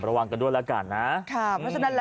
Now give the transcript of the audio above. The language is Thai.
อ่ะระวังกันด้วยด้วยล่ะก่อน